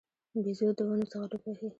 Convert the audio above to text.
بیزو د ونو څخه ټوپ وهي.